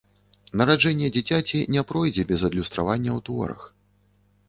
Нараджэнне дзіцяці не пройдзе без адлюстравання ў творах.